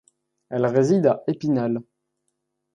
Elle réside à Épinal.